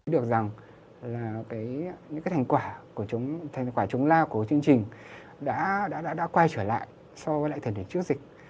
được rằng là những thành quả chống lao của chương trình đã quay trở lại so với lại thời điểm trước dịch